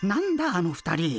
あの２人。